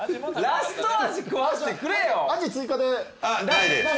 ラストアジ食わせてくれよ。